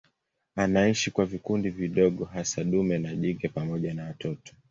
Anaishi kwa vikundi vidogo hasa dume na jike pamoja na watoto.